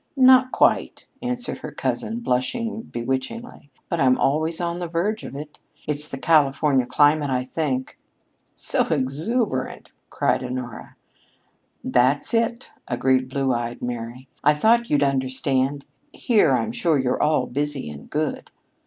"Not quite," answered her cousin, blushing bewitchingly. "But I'm always on the verge of it. It's the Californian climate, I think." "So exuberant!" cried Honora. "That's it!" agreed "Blue eyed Mary." "I thought you'd understand. Here, I'm sure, you're all busy and good."